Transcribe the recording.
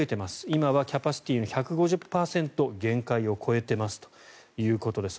今はキャパシティーの１５０％限界を超えてますということです。